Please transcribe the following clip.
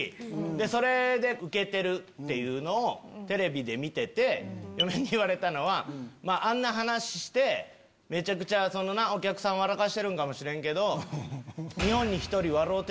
それでウケてるっていうのをテレビで見てて嫁に言われたのは「あんな話してめちゃくちゃお客さん笑かしてるんかもしれんけど」。